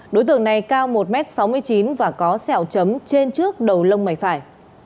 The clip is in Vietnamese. đối tượng này cao một m sáu mươi chín và có sẹo chấm trên trước đầu lông mày phải